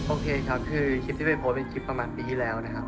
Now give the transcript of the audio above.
โอเคครับคือคลิปที่ไปโพสต์เป็นคลิปประมาณปีที่แล้วนะครับ